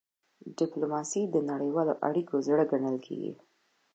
ډيپلوماسي د نړیوالو اړیکو زړه ګڼل کېږي.